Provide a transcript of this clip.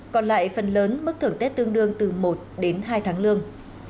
còn lại phần lớn mức thưởng tết tương đương từ một đến hai tháng lương